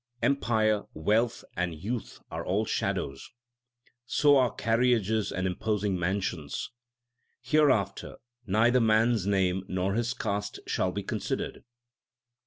Empire, wealth, and youth are all shadows ; So are carriages and imposing mansions. Hereafter neither man s name nor his caste shall be considered.